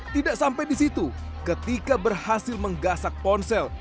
tidak sampai di situ ketika berhasil menggasak ponsel